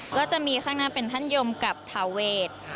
ก็จะมีข้างหน้าเป็นท่านยมกับทาเวท